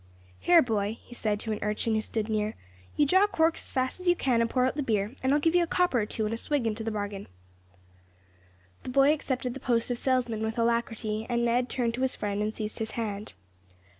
"Here, boy," he said to an urchin who stood near, "you draw corks as fast as you can and pour out the beer, and I'll give you a copper or two and a swig into the bargain." The boy accepted the post of salesman with alacrity, and Ned turned to his friend and seized his hand.